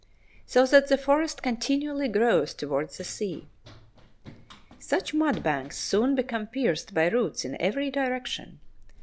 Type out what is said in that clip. So that the forest continually grows towards the sea. Such mudbanks soon become pierced by roots in every direction.